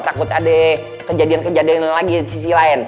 takut ada kejadian kejadian lagi di sisi lain